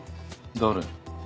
誰？